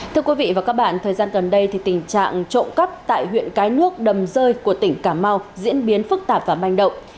thưa quý vị và các bạn thời gian gần đây thì tình trạng trộm cắp tại huyện cái nước đầm rơi của tỉnh cà mau diễn biến phức tạp và manh động